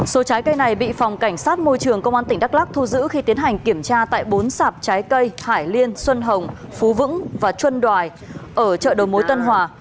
số trái cây này bị phòng cảnh sát môi trường công an tỉnh đắk lắc thu giữ khi tiến hành kiểm tra tại bốn sạp trái cây hải liên xuân hồng phú vững và chuân đoài ở chợ đầu mối tân hòa